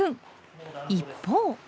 一方。